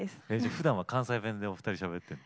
ふだんは関西弁でお二人しゃべってる？